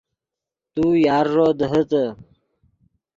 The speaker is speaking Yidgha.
تو یارݱو دیہیتے